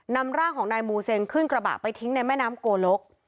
นำร่างของนายมูเซงขึ้นกระบะไปทิ้งในแม่น้ำโกลก